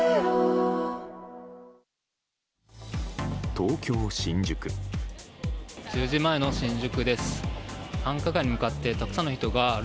東京・新宿。